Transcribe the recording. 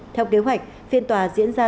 theo kế hoạch phiên tòa diễn ra